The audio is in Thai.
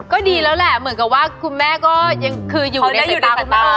ก็ดีแล้วแหละเหมือนกับว่าคุณแม่ก็ยังคืออยู่ในสายตาคุณตา